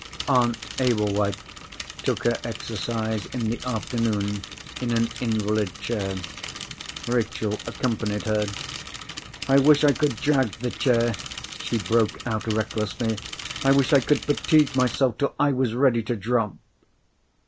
Aunt Ablewhite took her exercise in the afternoon in an invalid chair. Rachel accompanied her. "I wish I could drag the chair," she broke out, recklessly. "I wish I could fatigue myself till I was ready to drop."